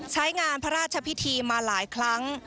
ใช้งานพระราชพิธีมาหลายครั้ง